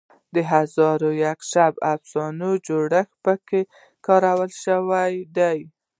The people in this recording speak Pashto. د هزار و یک شب افسانوي جوړښت پکې کارول شوی دی.